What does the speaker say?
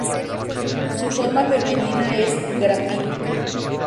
Su forma femenina es "Gräfin".